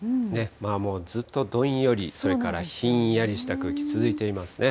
もうずっとどんより、それからひんやりした空気、続いていますね。